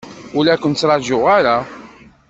Ur la ken-ttṛajuɣ ara.